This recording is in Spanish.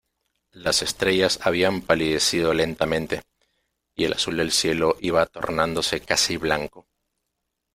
las estrellas habían palidecido lentamente, y el azul del cielo iba tornándose casi blanco.